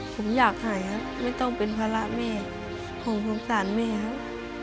ผมอยากหายครับไม่ต้องเป็นภาระแม่ผมสงสารแม่ครับ